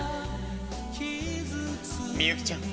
「みゆきちゃん」。